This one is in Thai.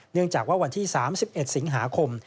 เนื่องจากว่าวันที่๓๑สิงหาคม